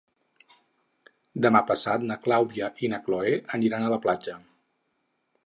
Demà passat na Clàudia i na Cloè aniran a la platja.